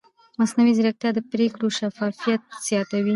مصنوعي ځیرکتیا د پرېکړو شفافیت زیاتوي.